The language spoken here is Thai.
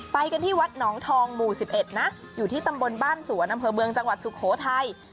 ไปกันที่วัดหนองทองหมู่๑๑นะอยู่ที่ตำบลบ้านสวนอำเภอเมืองจังหวัดสุโขทัย